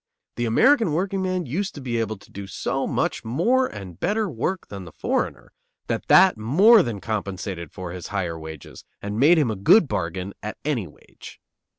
The American workingman used to be able to do so much more and better work than the foreigner that that more than compensated for his higher wages and made him a good bargain at any wage.